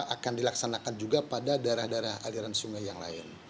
akan dilaksanakan juga pada daerah daerah aliran sungai yang lain